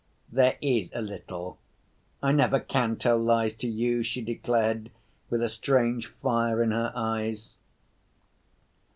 "There is a little. I never can tell lies to you," she declared, with a strange fire in her eyes.